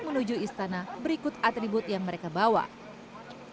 menuju istana berikut atribut yang mereka bawa